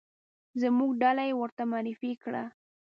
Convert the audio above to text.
زموږ ډله یې ورته معرفي کړه.